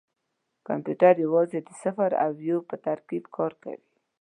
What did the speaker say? کمپیوټر یوازې د صفر او یو په ترکیب کار کوي.